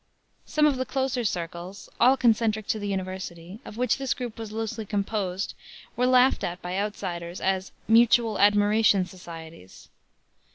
Some of the closer circles all concentric to the university of which this group was loosely composed were laughed at by outsiders as "Mutual Admiration Societies."